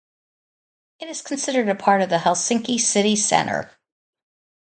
It is considered a part of the Helsinki city center.